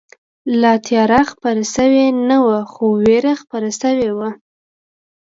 لا تیاره خپره شوې نه وه، خو وېره خپره شوې وه.